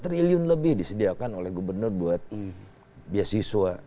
dua triliun lebih disediakan oleh gubernur buat biasiswa